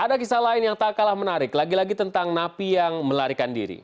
ada kisah lain yang tak kalah menarik lagi lagi tentang napi yang melarikan diri